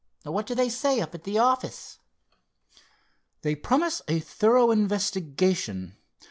What do they say up at the office?" "They promise a thorough investigation.